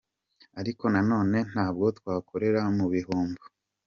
Ariko nanone ntabwo twakorera mu bihombo.